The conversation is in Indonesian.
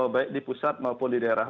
baik di pusat maupun di daerah